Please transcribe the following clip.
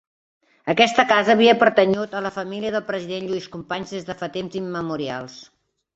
Aquesta casa havia pertanyut a la família del president Lluís Companys des de temps immemorials.